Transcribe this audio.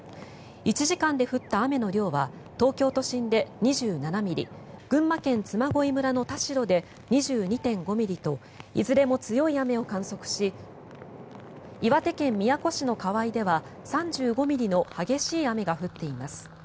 １時間で降った雨の量は東京都心で２７ミリ群馬県嬬恋村の田代で２２．５ミリといずれも強い雨を観測し岩手県宮古市の川井では３５ミリの激しい雨が降っています。